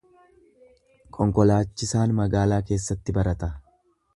Konkolaachisaan magaalaa keessatti barata.